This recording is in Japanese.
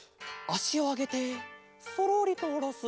あしをあげてそろりとおろす。